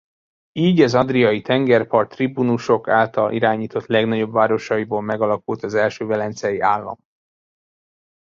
Így az adriai tengerpart tribunusok által irányított legnagyobb városaiból megalakult az első velencei állam.